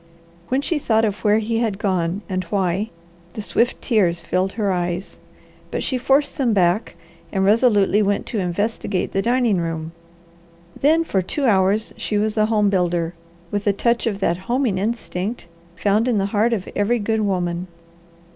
When she thought of where he had gone, and why, the swift tears filled her eyes, but she forced them back and resolutely went to investigate the dining room. Then for two hours she was a home builder, with a touch of that homing instinct found in the heart of every good woman.